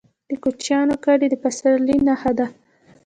د کوچیانو کډې د پسرلي نښه ده.